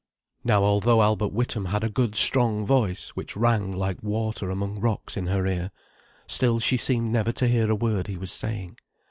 Now although Albert Witham had a good strong voice, which rang like water among rocks in her ear, still she seemed never to hear a word he was saying.